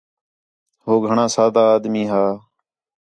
ہو گھݨاں سادہ آدمی ہا